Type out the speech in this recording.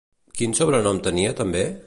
Quin sobrenom tenia també?